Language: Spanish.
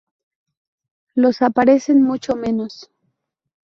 Los aparecen mucho menos.